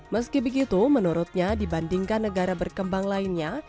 meski begitu menurutnya dibandingkan negara berkembang lainnya